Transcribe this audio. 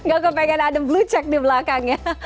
gak kepengen ada blue check di belakang ya